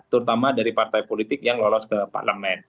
terutama dari partai politik yang lolos ke parlemen